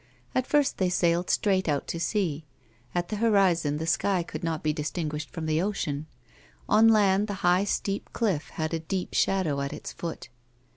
At first they sailed straight out to sea. At the horizon the sky could not be distinguished from the ocean ; on land the high steep cliff had a deep shadow at its foot.